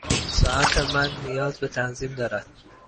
ساعت من نیاز به تنظیم دارد.